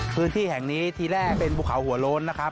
พื้นที่แห่งนี้ทีแรกเป็นภูเขาหัวโล้นนะครับ